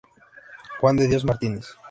Juan de Dios Martínez.